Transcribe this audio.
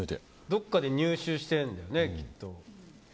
どこかで入手してるんだよねきっと。